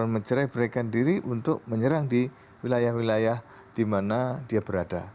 menceraih berekan diri untuk menyerang di wilayah wilayah dimana dia berada